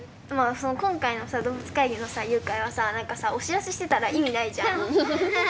その今回のさ「動物会議」のさ誘拐はさ何かさお知らせしてたら意味ないじゃん。